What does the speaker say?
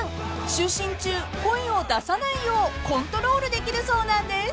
［就寝中声を出さないようコントロールできるそうなんです］